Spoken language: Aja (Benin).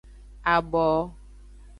Abo.